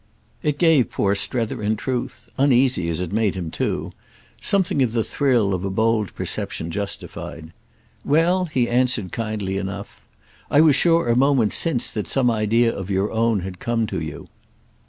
It gave poor Strether in truth—uneasy as it made him too—something of the thrill of a bold perception justified. "Well," he answered kindly enough, "I was sure a moment since that some idea of your own had come to you."